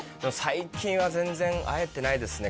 最近は全然会えてないですね